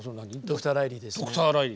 ドクター・ライリーですね。